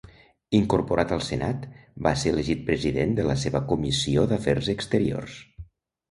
Incorporat al Senat, va ser elegit president de la seva Comissió d'Afers exteriors.